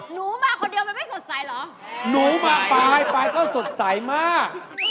หนูมาคนเดียวมันไม่สดใสเหรอหนูมาไปก็สดใสมาก